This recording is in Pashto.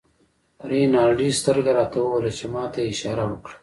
رینالډي سترګه راته ووهله چې ما ته یې اشاره وکړه.